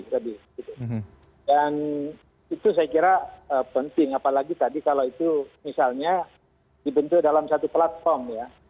dan itu saya kira penting apalagi tadi kalau itu misalnya dibentuk dalam satu platform ya